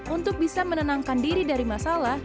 untuk bisa menenangkan diri dari masalah